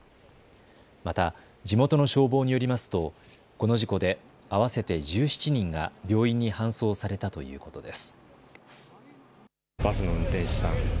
また地元の消防によりますとこの事故で合わせて１７人が病院に搬送されたということです。